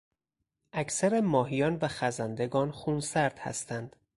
اکثر ماهیان و خزندگان خونسرد هستند.